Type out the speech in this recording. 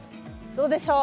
どうでしょう？